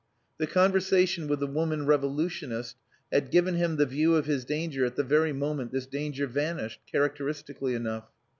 The conversation with the woman revolutionist had given him the view of his danger at the very moment this danger vanished, characteristically enough.